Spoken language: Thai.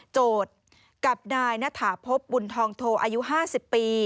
โจทย์กับนายณฐาพบบุญทองโทอายุ๕๐ปี